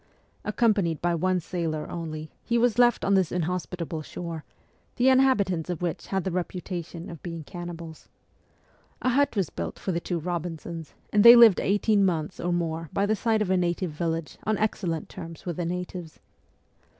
Accom panied by one sailor only, he was left on this inhos pitable shore, the inhabitants of which had the reputa tion of being cannibals. A hut was built for the two Eobinsons, and they lived eighteen months or more by the side of a native village on excellent terms with the natives.